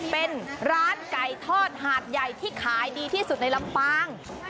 เป็นร้านไก่ทอดหาดใหญ่ที่ขายดีที่สุดในลำปาง